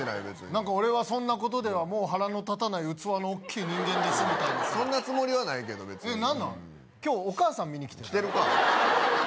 別に何か俺はそんなことではもう腹の立たない器の大きい人間ですみたいなさそんなつもりはないけど別に何なん今日お母さん見に来てる？来てるか！